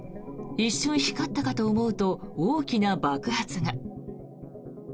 一瞬光ったかと思うと大きな爆発が。